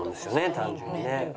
単純にね。